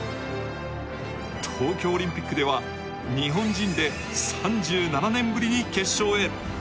東京オリンピックでは、日本人で３７年ぶりに決勝へ。